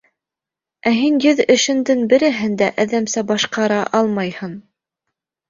Ә һин йөҙ эшеңдең береһен дә әҙәмсә башҡара алмайһың!